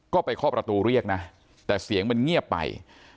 ก็ไปเคาะประตูเรียกนะแต่เสียงมันเงียบไป